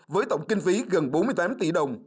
với tổng kinh phí gần bốn mươi tám tỷ đồng